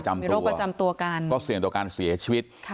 มีโรคประจำตัวกันก็เสี่ยงต่อการเสียชีวิต